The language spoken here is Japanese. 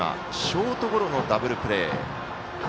ショートゴロのダブルプレー。